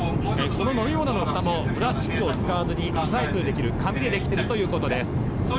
この飲み物もふたも、プラスチックを使わずにリサイクルできる紙で出来ているということです。